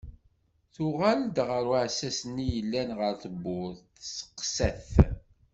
Tuɣal-d ɣer uɛessas-nni yellan ɣer tewwurt, testeqsa-t.